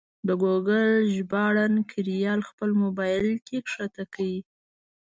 د ګوګل ژباړن کریال خپل مبایل کې کښته کړئ.